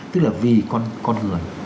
tức là vì con người